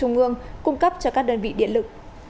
trung ương cung cấp cho các đơn vị điện lực